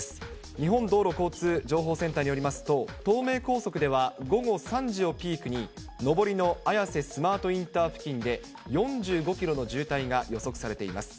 日本道路交通情報センターによりますと、東名高速では、午後３時をピークに、上りの綾瀬スマートインター付近で４５キロの渋滞が予測されています。